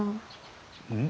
うん？